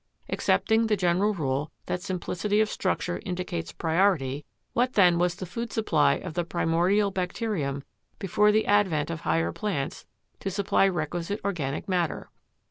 Accepting the general rule that simplicity of structure indicates priority, what then was the food supply of the primordial bacterium before the advent of higher plants to supply requisite organic matter?